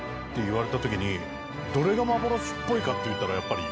どれが幻っぽいかっていったらやっぱり。